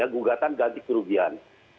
gugatan ganti kerugian